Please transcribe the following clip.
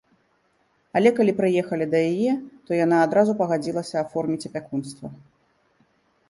Але калі прыехалі да яе, то яна адразу пагадзілася аформіць апякунства.